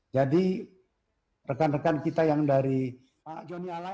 jadi rekan rekan kita yang dari pak joni alan